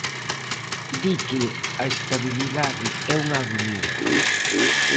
Di que a estabilidade é unha agonía.